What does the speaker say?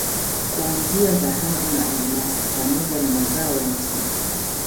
kuanzia Dhahabu na Almasi pamoja na mazao ya misitu